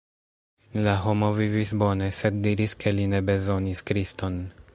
La homo vivis bone, sed diris ke li ne bezonis Kriston.